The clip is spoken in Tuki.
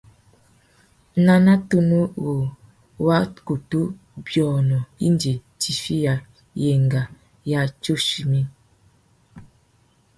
Nana tunu wu wá kutu nʼbiônô indi tifiya yenga ya tsuchimi.